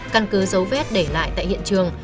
căn cứ dấu vết để lại tại hiện trường